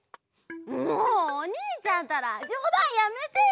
もうおにいちゃんったらじょうだんやめてよ！